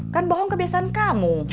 kan bohong kebiasaan kamu